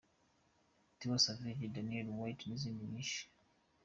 Tiwa Savage’, ‘Daniella Whine’ n’izindi nyinshi.